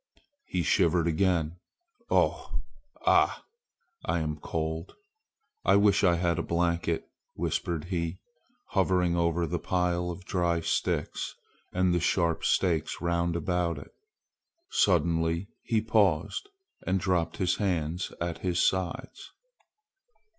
He shivered again. "Ough! Ah! I am cold. I wish I had my blanket!" whispered he, hovering over the pile of dry sticks and the sharp stakes round about it. Suddenly he paused and dropped his hands at his sides.